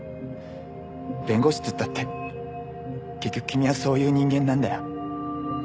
弁護士っつったって結局君はそういう人間なんだよ。